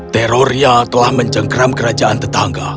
terornya telah mencengkeram kerajaan tetangga